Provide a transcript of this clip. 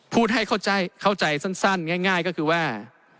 พูดให้เข้าใจสั้นง่ายก็คือว่า